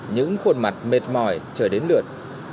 những khuôn mặt mệt mỏi chờ đến lượt